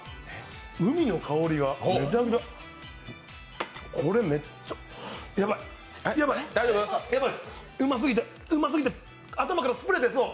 海の香りが、めちゃめちゃこれめっちゃヤバイ、ヤバイ、うますぎて頭からスプレーでしょう。